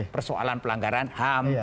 persoalan pelanggaran ham